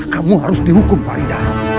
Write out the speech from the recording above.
kamu harus dihukum faridah